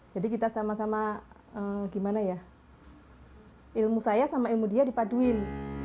jadi kita sama sama gimana ya ilmu saya sama ilmu dia dipaduin